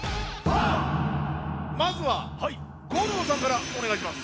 まずはゴルゴさんからお願いします。